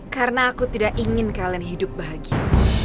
karena aku tidak ingin kalian hidup bahagia